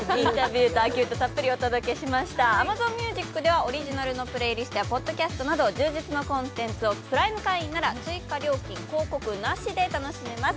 ＡｍａｚｏｎＭｕｓｉｃではオリジナルのプレイリストや充実のコンテンツをプライム会員なら追加料金、広告なしで楽しめます。